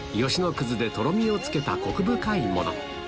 くずでとろみをつけたコク深いもの